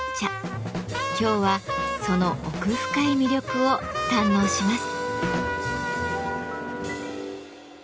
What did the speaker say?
今日はその奥深い魅力を堪能します。